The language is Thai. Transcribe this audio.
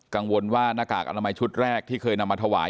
กังวลว่าหน้ากากอนามัยชุดแรกที่เคยนำมาถวาย